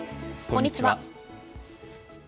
こんにちは。